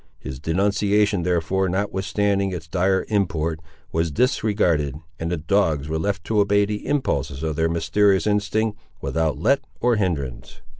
His denunciation, therefore, notwithstanding its dire import, was disregarded; and the dogs were left to obey the impulses of their mysterious instinct, without let or hinderance.